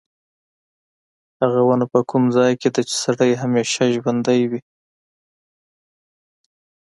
هغه ونه په کوم ځای کې ده چې سړی همیشه ژوندی وي.